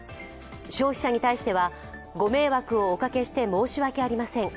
消費者に対してはご迷惑をおかけして申し訳ありません。